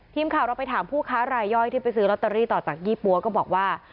ทีมข่าวเราไปถามผู้ค้ารายย่อยที่ไปซื้อลอตเตอรี่ต่อจากยี่ปั๊วก็บอกว่า